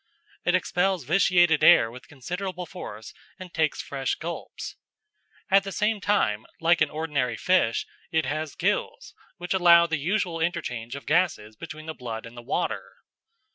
It expels vitiated air with considerable force and takes fresh gulps. At the same time, like an ordinary fish, it has gills which allow the usual interchange of gases between the blood and the water.